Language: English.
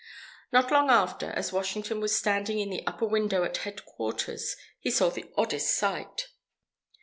Not long after, as Washington was standing in the upper window at Headquarters, he saw the oddest sight.